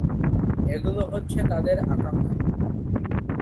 এগুলো হচ্ছে তাদের আকাঙ্ক্ষা।